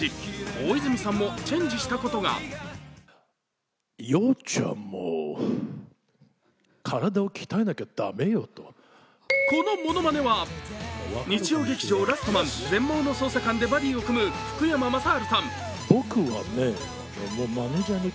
大泉さんもチェンジしたことがこのものまねは、日曜劇場「ラストマン―全盲の捜査官―」でバディを組む福山雅治さん。